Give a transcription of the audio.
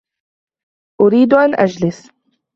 أريد أن أجلس.